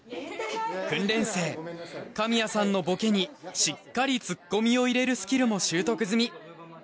訓練生神谷さんのボケにしっかりツッコミを入れるスキルも習得済み。